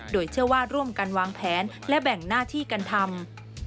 โดยเชื่อว่าร่วมกันวางแผนและแบ่งหน้าที่กันทำ